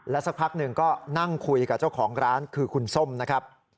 สักพักหนึ่งก็นั่งคุยกับเจ้าของร้านคือคุณส้มนะครับ